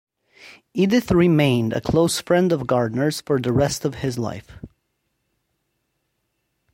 Edith remained a close friend of Gardner's for the rest of his life.